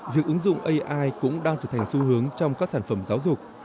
việc ứng dụng ai cũng đang trở thành xu hướng trong các sản phẩm giáo dục